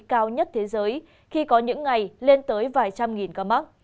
cao nhất thế giới khi có những ngày lên tới vài trăm nghìn ca mắc